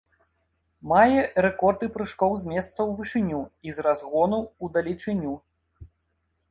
Мае рэкорды прыжкоў з месца ў вышыню і з разгону ў далечыню.